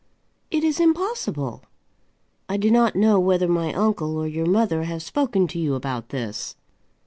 "It is impossible." "I do not know whether my uncle or your mother have spoken to you about this."